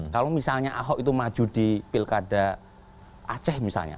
kalau misalnya ahok itu maju di pilkada aceh misalnya